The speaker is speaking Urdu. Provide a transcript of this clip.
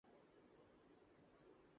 ہدایت کردی ہے